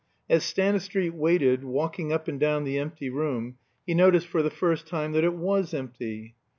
As Stanistreet waited, walking up and down the empty room, he noticed for the first time that it was empty.